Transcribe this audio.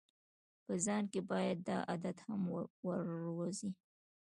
په ځان کې باید دا عادت هم وروزو.